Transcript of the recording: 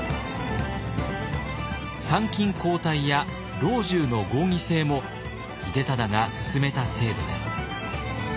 参勤交代や老中の合議制も秀忠が進めた制度です。